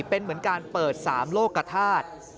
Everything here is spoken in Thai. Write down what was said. เป็นเหมือนการเปิด๓โลกธาตุ